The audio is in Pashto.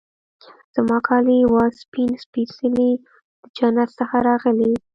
زما کالي وه سپین سپيڅلي د جنت څخه راغلي